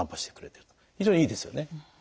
非常にいいですよね。